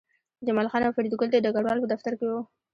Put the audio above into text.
جمال خان او فریدګل د ډګروال په دفتر کې وو